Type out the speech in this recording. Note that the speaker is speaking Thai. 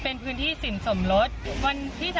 เพราะพื้นที่ตรงนี้มันเป็นพื้นที่สินสมรส